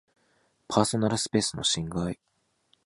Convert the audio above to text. パーソナルスペースの侵害